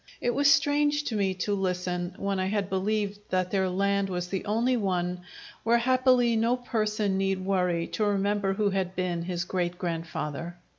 It was strange to me to listen, when I had believed that their land was the only one where happily no person need worry to remember who had been his great grandfather.